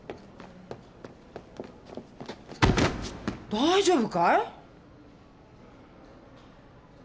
・大丈夫かい？